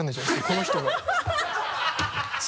この人が。